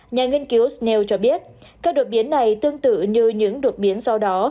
nhà nghiên cứu snell cho biết các đột biến này tương tự như những đột biến sau đó